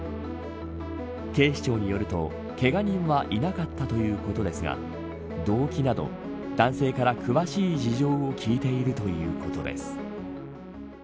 警視庁によるとけが人はいなかったということですが動機など、男性から詳しい事情を聴いているということです。